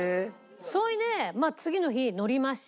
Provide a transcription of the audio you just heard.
それで次の日乗りました。